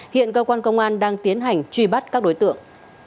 hiện cơ quan công an đang tiến hành truy bắt các đối tượng